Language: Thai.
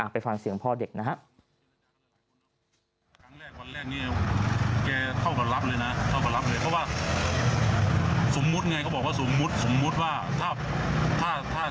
ไปฟังเสียงพ่อเด็กนะครับ